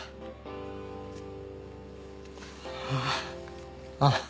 ああ。